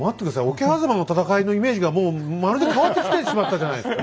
桶狭間の戦いのイメージがもうまるで変わってきてしまったじゃないですか！